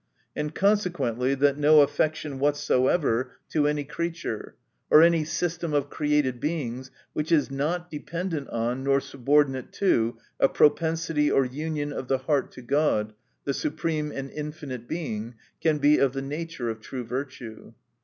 — And consequently, that 10 affection whatsoever to any creature, or any system of created Beings, which .8 not dependent on, nor subordinate to a propensity or union of the heart to God, the supreme and infinite Being, can be of the nature of true virtue.